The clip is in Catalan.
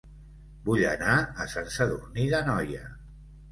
Vull anar a Sant Sadurní d'Anoia